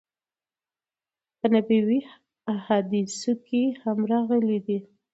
په نبوی حادثو کی هم راغلی دی